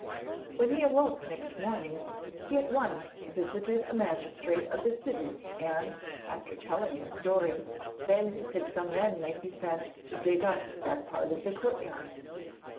When he awoke next morning he at once visited a magistrate of the city and, after telling his story, begged that some men might be sent to dig up that part of the courtyard.